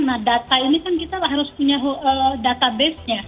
nah data ini kan kita harus punya database nya